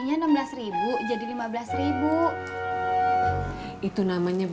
kangkung tempe ikan asin bumbu bumbu masak sama cabai